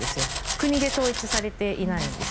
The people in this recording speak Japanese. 国で統一されていないんです。